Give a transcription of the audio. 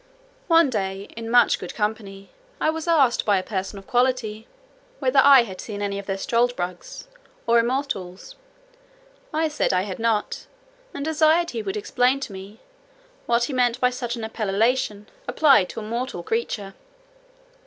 One day, in much good company, I was asked by a person of quality, "whether I had seen any of their struldbrugs, or immortals?" I said, "I had not;" and desired he would explain to me "what he meant by such an appellation, applied to a mortal creature."